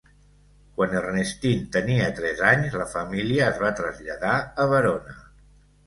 Quan Ernestine tenia tres anys, la família es va traslladar a Verona.